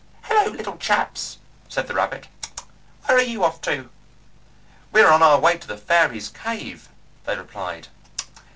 "Hullo, little chaps," said the rabbit, "where are you off to?" "We are on our way to the fairies' cave," they replied.